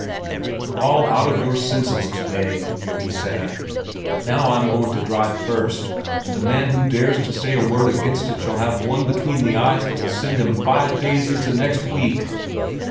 "You're all out of your senses to day," he said. "But now I'm going to drive first, and the man who dares to say a word against it shall have one between the eyes that will send him five days into next week!"